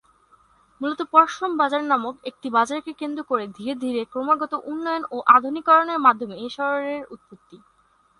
মূলত পরশুরাম বাজার নামক একটি বাজারকে কেন্দ্র করেই ধীরে ধীরে ক্রমাগত উন্নয়ন ও আধুনিকীকরণের মাধ্যমে এ শহরের উৎপত্তি।